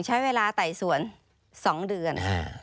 ใช้เวลาไต่สวน๒เดือน